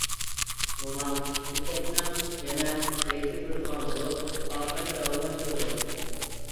مومام چۆچەكنىڭ يەنە ئېيتىپ بېرىدىغان بولۇپ، ئاخىرىنى داۋاملاشتۇردى.